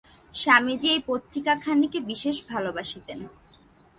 স্বামীজী এই পত্রিকাখানিকে বিশেষ ভালবাসিতেন।